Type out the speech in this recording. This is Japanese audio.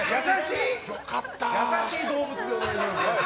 優しい動物でお願いします。